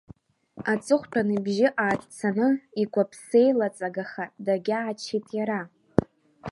Аҵыхәтәан ибжьы ааҭцаны игәаԥсеилаҵагаха дагьааччеит иара.